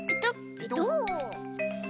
ペトッ。